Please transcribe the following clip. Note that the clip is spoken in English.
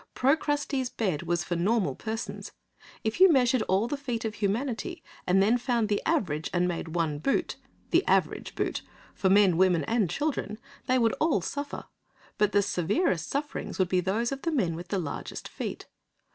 Procrustes' bed was for normal persons. If you measured all the feet of humanity and then found the average and made one boot—the average boot—for men, women and children, they would all suffer, but the severest sufferings would be those of the men with the largest feet.